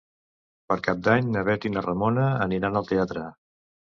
Per Cap d'Any na Bet i na Ramona aniran al teatre.